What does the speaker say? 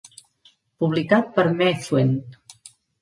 Publicat per Methuen.